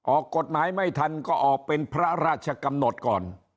ออกกฎหมายไม่ทันก็ออกเป็นพระราชกำหนดก่อน